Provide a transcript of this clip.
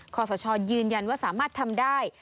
ขอสชยืนยันว่าสามารถทำได้